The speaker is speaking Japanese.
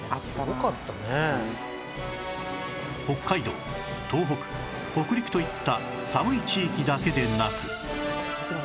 北海道東北北陸といった寒い地域だけでなく